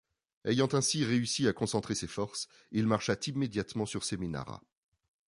Ayant ainsi réussi à concentrer ses forces, il marcha immédiatement sur Seminara.